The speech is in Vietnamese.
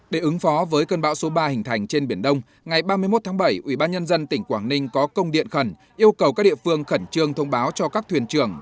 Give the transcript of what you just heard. để ứng phó với cơn bão số ba hình thành trên biển đông ngày ba mươi một tháng bảy ubnd tỉnh quảng ninh có công điện khẩn yêu cầu các địa phương khẩn trương thông báo cho các thuyền trưởng